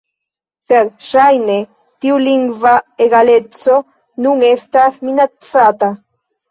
Sed ŝajne tiu lingva egaleco nun estas minacata.